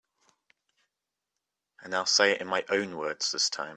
And I'll say it in my own words this time.